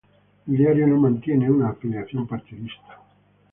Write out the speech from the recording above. El diario no mantiene una afiliación partidista.